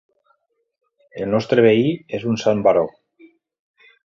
El nostre veí és un sant baró.